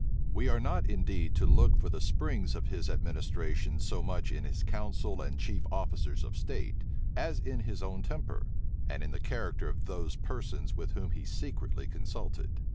We are not indeed to look for the springs of his administration so much in his council and chief officers of state, as in his own temper, and in the character of those persons with whom he secretly consulted.